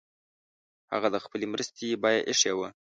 هغه د خپلي مرستي بیه ایښې وه.